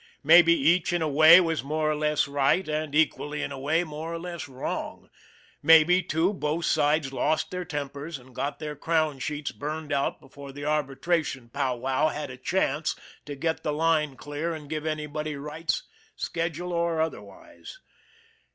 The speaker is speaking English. Maybe each, in a way, was more or less right, and, equally, in a way, more or less wrong. Maybe, too, both sides lost their tempers and got their crown sheets burned out before the arbitration pow wow had a chance to get the line clear and give anybody rights, schedule or otherwise.